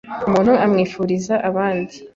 umuntu abwifuriza abandi